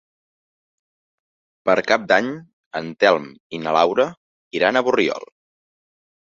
Per Cap d'Any en Telm i na Laura iran a Borriol.